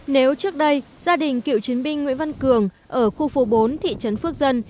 nếu trước đây gia đình cựu chiến binh nguyễn văn cường ở khu phố bốn thị trấn phước dân